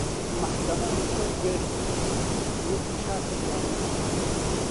مەحکەمە ڕیشە و بێخی وەکوو شاخی گامێش